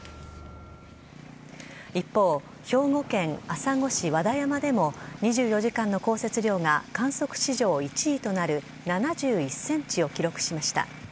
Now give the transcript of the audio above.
一方、兵庫県朝来市和田山でも、２４時間の降雪量が観測史上１位となる７１センチを記録しました。